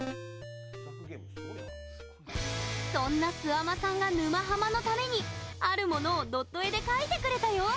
そんな、すあまさんが「沼ハマ」のために、あるものをドット絵で描いてくれたよ。